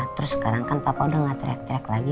terus sekarang kan papa udah gak teriak teriak lagi